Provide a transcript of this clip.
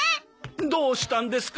どうしたんですか？